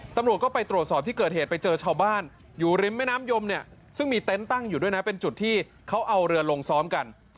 ตำรวจก็ไปตรวจสอบที่เกิดเหตุไปเจอชาวบ้านอยู่ริมแม่น้ำยมเนี่ยซึ่งมีเต็นต์ตั้งอยู่ด้วยนะเป็นจุดที่เขาเอาเรือลงซ้อมกัน